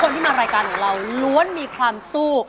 ทุกคนที่มารายการของเรารวมมีความสู้